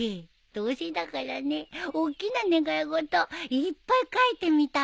どうせだからねおっきな願い事いっぱい書いてみたんだ。